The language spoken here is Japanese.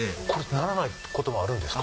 鳴らないこともあるんですか？